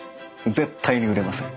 絶対に売れません。